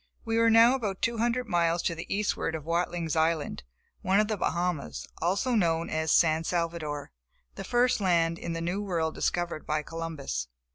We were now about two hundred miles to the eastward of Watling's Island, one of the Bahamas, also known as San Salvador, the first land in the New World discovered by Columbus.